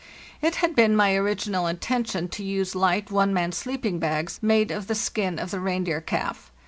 It had been my original intention to use light one man sleeping bags, made of the skin of the reindeer calf...